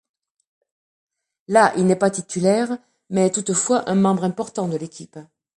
Là, il n'est pas titulaire mais est toutefois un membre important de l'équipe.